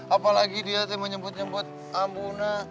apalagi dia tuh menyebut nyebut ambu nah